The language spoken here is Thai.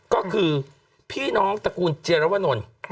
ก็คือพี่น้องตระกูลเจียรวนล